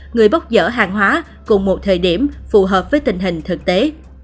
người bốc dở hàng hóa cùng một thời điểm phù hợp với tình hình thực tế